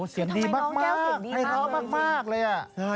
โอ้เสียงดีมากเลยอ่ะ